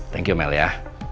terima kasih mel ya